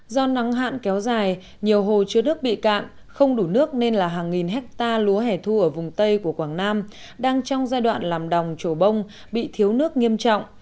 do nắng hạn kéo dài nhiều hồ chứa nước bị cạn không đủ nước nên là hàng nghìn hectare lúa hẻ thu ở vùng tây của quảng nam đang trong giai đoạn làm đồng trổ bông bị thiếu nước nghiêm trọng